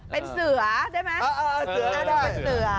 เป็นเสือได้มั้ย